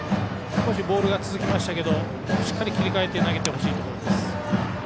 少しボールが続きましたがしっかり切り替えて投げてほしいところです。